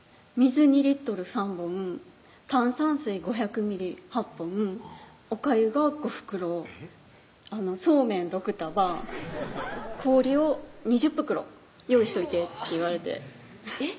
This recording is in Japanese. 「水２Ｌ３本炭酸水５００ｍｌ８本おかゆが５袋そうめん６束氷を２０袋用意しといて」って言われてえっ？